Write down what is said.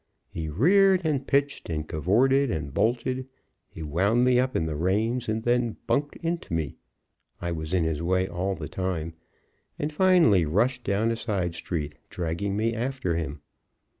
He reared, and pitched, and cavorted, and bolted; he wound me up in the reins, and then bunked into me I was in his way all the time and finally rushed down a side street, dragging me after him.